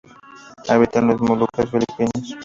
Habita en las Molucas y Filipinas.